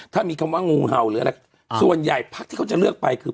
ถ้ามีคำว่างูเห่าหรืออะไรส่วนใหญ่พักที่เขาจะเลือกไปคือ